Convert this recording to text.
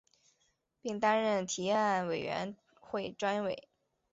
并担任提案委员会专委。